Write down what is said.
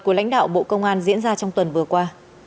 của lãnh đạo bộ công an diễn ra trong tuần vừa qua